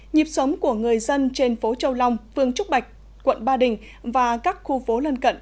nhịp sống của người dân trên phố châu long phường trúc bạch quận ba đình và các khu phố lân cận